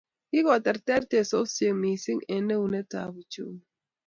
Kikotoret teksosiek mising eng etunet ab uchuni